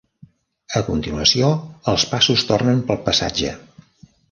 A continuació, els passos tornen pel passatge.